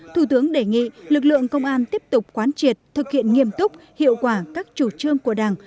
thủ tướng đề nghị lực lượng công an tiếp tục quán triệt thực hiện nghiêm túc hiệu quả các chủ trương của đảng